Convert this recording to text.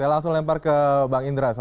langsung lempar ke bang indra